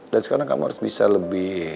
dan sekarang kamu harus bisa lebih